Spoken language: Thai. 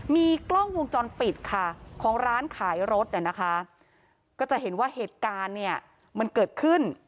มีกล้องวงจรปิดค่ะของร้านขายรถเนี่ยนะคะก็จะเห็นว่าเหตุการณ์เนี่ยมันเกิดขึ้น